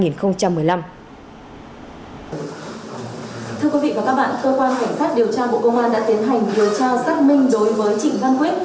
thưa quý vị và các bạn cơ quan cảnh sát điều tra bộ công an đã tiến hành điều tra xác minh đối với trịnh văn quyết